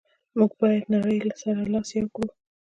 موږ باید نړی سره لاس یو کړو.